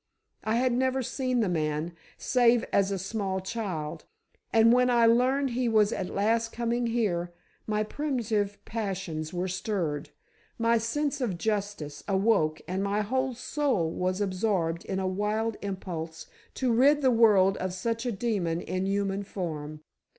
I had never seen the man, save as a small child, and when I learned he was at last coming here, my primitive passions were stirred, my sense of justice awoke and my whole soul was absorbed in a wild impulse to rid the world of such a demon in human form!